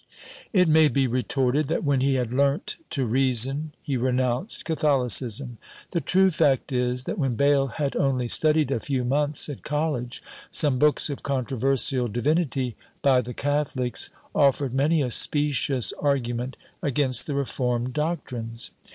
It may be retorted, that when he had learnt to reason, he renounced Catholicism. The true fact is, that when Bayle had only studied a few months at college, some books of controversial divinity by the catholics offered many a specious argument against the reformed doctrines.